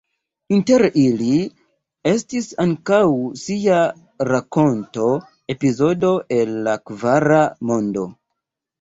Inter ili estis ankaŭ ŝia rakonto „Epizodo el la Kvara Mondo“.